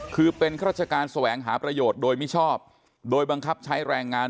คือเป็นข้าราชการแสวงหาประโยชน์โดยมิชอบโดยบังคับใช้แรงงาน